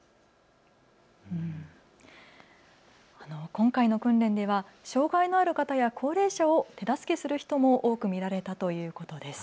今回の訓練では障害のある方や高齢者を手助けする人も多く見られたということです。